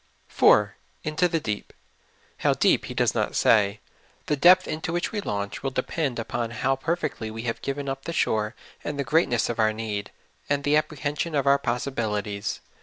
4. '' Into the deep y How deep He does not sa3^ The depth into which we launch will depend upon how perfectly we have given up the shore and the greatness of our need, and the apprehension of our possibilities.